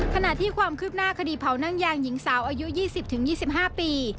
ขณะที่ความคืบหน้าคดีเผานั่งยางหญิงสาวอายุ๒๐๒๕ปี